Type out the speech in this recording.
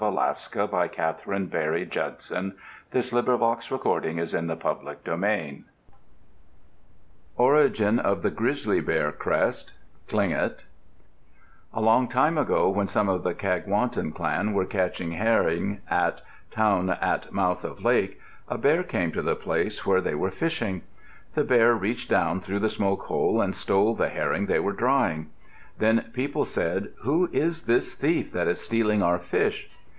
[Illustration: View of Eldorado] [Illustration: Scene on the White Pass and Yukon Route] ORIGIN OF THE GRIZZLY BEAR CREST Tlingit A long time ago when some of the Kagwantan clan were catching herring at Town at mouth of lake, a bear came to the place where they were fishing. The bear reached down through the smoke hole and stole the herring they were drying. Then people said; "Who is this thief that is stealing our fish?"